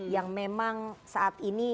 yang memang saat ini